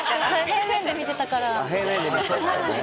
平面で見てたからね。